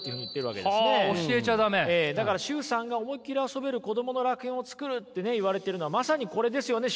だから崇さんが思いっきり遊べる子供の楽園を作るってね言われているのはまさにこれですよね？